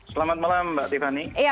selamat malam mbak tiffany